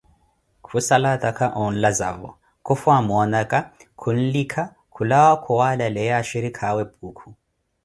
Khusala atakha onlazavo, khufwa amoonaka, khunlikha, khulawa khuwalaleya ashirikha awe Puukhu.